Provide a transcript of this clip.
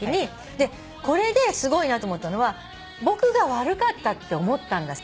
でこれですごいなと思ったのは僕が悪かったって思ったんだって。